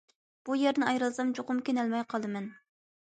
بۇ يەردىن ئايرىلسام چوقۇم كۆنەلمەي قالىمەن.